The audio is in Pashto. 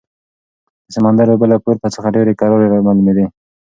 د سمندر اوبه له پورته څخه ډېرې کرارې معلومېدې.